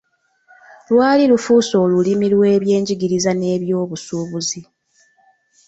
Lwali lufuuse olulimi lw'ebyenjigiriza n'ebyobusuubuzi.